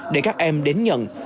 để các em đến nhận